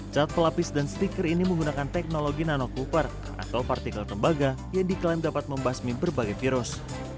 cat pelapis dan stiker ini menggunakan teknologi nanokuper atau partikel tembaga yang diklaim dapat membasmi berbagai virus